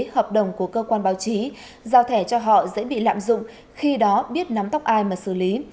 hợp đồng của cơ quan báo chí giao thẻ cho họ dễ bị lạm dụng khi đó biết nắm tóc ai mà xử lý